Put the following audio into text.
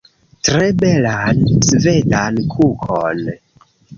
Tre belan svedan kukon